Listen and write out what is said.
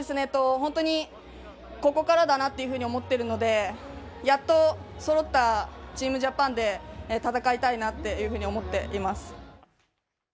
本当にここからだなっていうふうに思っているので、やっとそろったチームジャパンで戦いたいなっていうふうに思っています。